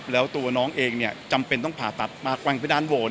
แล้วตัวน้องเองจำเป็นต้องผ่าตัดมากว่างไปด้านโห